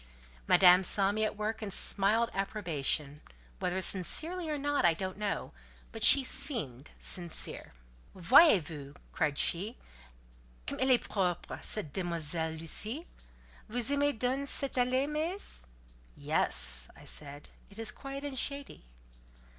Madame saw me at work and smiled approbation: whether sincerely or not I don't know; but she seemed sincere. "Voyez vous," cried she, "comme elle est propre, cette demoiselle Lucie? Vous aimez donc cette allée, meess?" "Yes," I said, "it is quiet and shady."